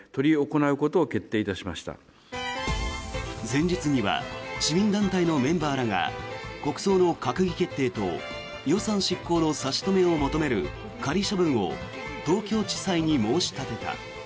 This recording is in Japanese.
前日には市民団体のメンバーらが国葬の閣議決定と予算執行の差し止めを求める仮処分を東京地裁に申し立てた。